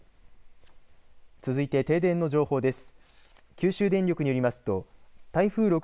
続いて停電の情報です。